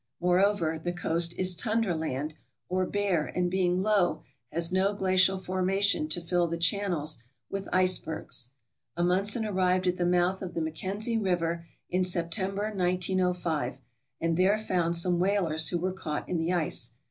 Moreover, the coast is "tundra" land, or bare, and being low, has no glacial formation to fill the channels with icebergs. Amundsen arrived at the mouth of the Mackenzie River in M ISC ELLA NEO US 465 September, 1905, and there found some whalers who were caught in the ice.